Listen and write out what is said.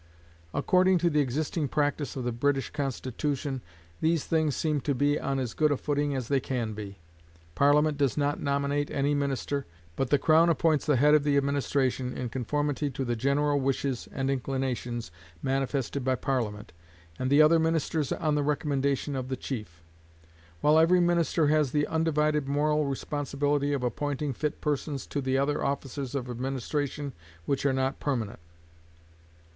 According to the existing practice of the British Constitution, these things seem to be on as good a footing as they can be. Parliament does not nominate any minister, but the crown appoints the head of the administration in conformity to the general wishes and inclinations manifested by Parliament, and the other ministers on the recommendation of the chief; while every minister has the undivided moral responsibility of appointing fit persons to the other offices of administration which are not permanent.